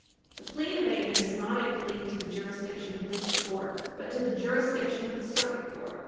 The plea in abatement is not a plea to the jurisdiction of this court, but to the jurisdiction of the Circuit Court.